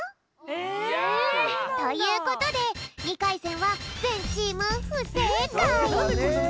え？ということで２かいせんはぜんチームふせいかい。